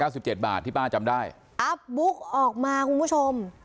สิบเจ็ดบาทที่ป้าจำได้อัพบุ๊กออกมาคุณผู้ชม